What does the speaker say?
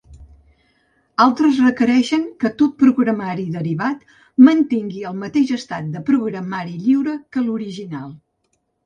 Altres requereixen que tot programari derivat mantingui el mateix estat de programari lliure que l'original.